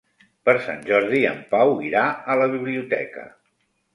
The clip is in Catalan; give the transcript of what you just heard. Per Sant Jordi en Pau irà a la biblioteca.